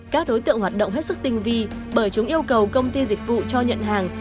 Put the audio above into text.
các đối tượng hoạt động hết sức tinh vi bởi chúng yêu cầu công ty dịch vụ cho nhận hàng